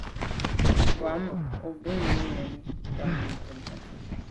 Bàm o bo bi bi nèn nta ntàne.